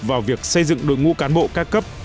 vào việc xây dựng đội ngũ cán bộ ca cấp